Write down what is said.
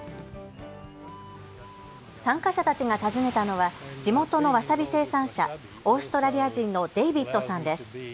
参加者たちが訪ねたのは地元のわさび生産者、オーストラリア人のデイビッドさんです。